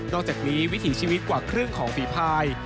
อกจากนี้วิถีชีวิตกว่าครึ่งของฝีภาย